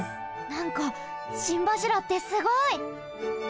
なんか心柱ってすごい！